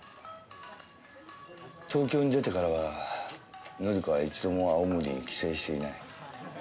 東京に出てからは紀子は一度も青森に帰省していない。